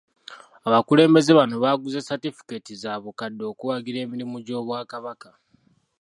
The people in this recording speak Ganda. Abakulembeze bano baaguze Satifikeeti za bukadde okuwagira emirimu gy'Obwakabaka.